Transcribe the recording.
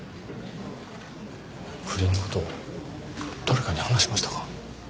不倫の事を誰かに話しましたか？